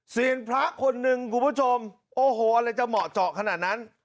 เสียงพระคนหนึ่งคุณผู้ชมโอ้โหอะไรจะเหมาะเจาะขนาดนั้น